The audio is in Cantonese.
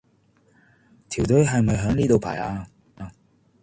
條隊係咪響呢度排呀？